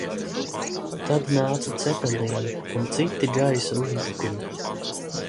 Tad nāca Cepelīni un citi gaisa uzbrukumi.